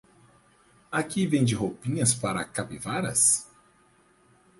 Aqui vende roupinhas para capivaras?